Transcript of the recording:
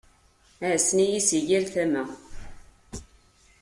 Ɛussen-iyi si yal tama.